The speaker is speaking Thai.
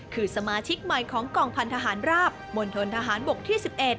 คือสมาชิกใหม่ของกองพันธหารราบมณฑนทหารบกที่๑๑